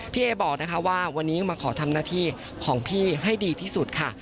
พี่เอบอกนะคะว่าวันนี้มาขอทำหน้าที่ของพี่ให้ดีที่สุดค่ะ